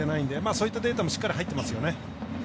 そういったデータもしっかり入ってますよね。